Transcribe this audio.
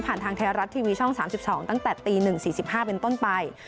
ทางไทยรัฐทีวีช่อง๓๒ตั้งแต่ตี๑๔๕เป็นต้นไป